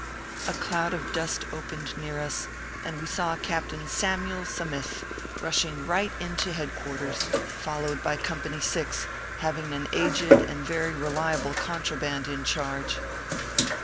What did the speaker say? A cloud of dust opened near us, and we saw Cap tain Samyule Sa mith rushing right into head quarters, followed by Company 6, having an aged and very reliable contraband in charge.